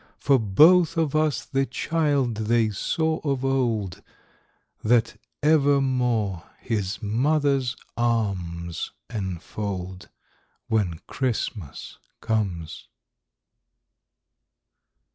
For both of us the child they saw of old, That evermore his mother's arms enfold, When Christmas comes.